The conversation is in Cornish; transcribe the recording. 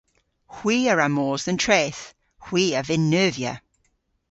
Hwi a wra mos dhe'n treth. Hwi a vynn neuvya.